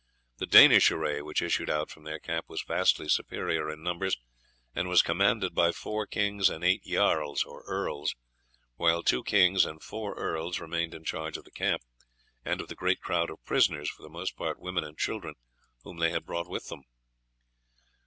The Danish array which issued out from their camp was vastly superior in numbers, and was commanded by four kings and eight jarls or earls, while two kings and four earls remained in charge of the camp, and of the great crowd of prisoners, for the most part women and children, whom they had brought with them.